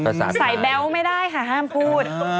คุณแม่ห้ามพูด